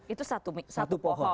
itu satu pohon